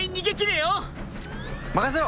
任せろ。